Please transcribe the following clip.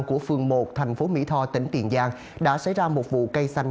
của phường một thành phố mỹ tho tỉnh tiền giang đã xảy ra một vụ cây xanh